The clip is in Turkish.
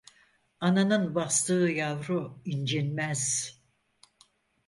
Ananın bastığı yavru incinmez.